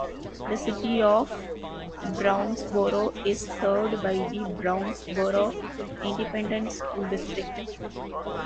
The City of Brownsboro is served by the Brownsboro Independent School District.